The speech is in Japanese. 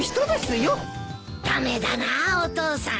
駄目だなお父さん。